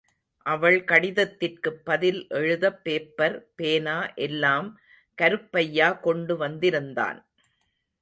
அவள் கடிதத்திற்குப் பதில் எழுத பேப்பர், பேனா எல்லாம் கருப்பையா கொண்டு வந்திருந்தான்.